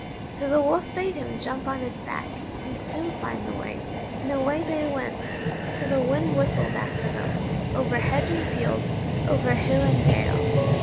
So the Wolf bade him jump on his back, he'd soon find the way; and away they went, till the wind whistled after them, over hedge and field, over hill and dale.